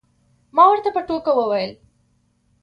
ما ورته په ټوکه وویل.